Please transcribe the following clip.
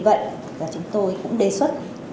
vì vậy chúng tôi cũng đề xuất